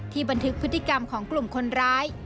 บันทึกพฤติกรรมของกลุ่มคนร้าย